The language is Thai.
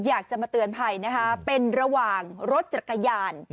อยากจะมาเตือนภัยนะคะเป็นระหว่างรถจักรยาน